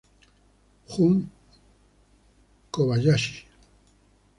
Jun Kobayashi